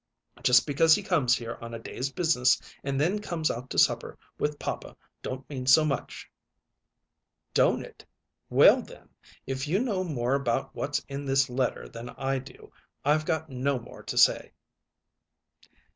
Just because he comes here on a day's business and then comes out to supper with papa don't mean so much." "Don't it? Well, then, if you know more about what's in this letter than I do, I've got no more to say."